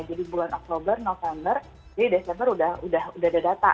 jadi bulan oktober november jadi desember sudah ada data